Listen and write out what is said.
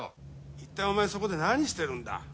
いったいお前そこで何してるんだ？